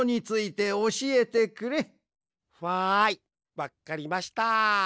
わっかりました。